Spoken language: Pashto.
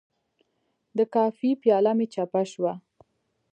د کافي پیاله مې چپه شوه.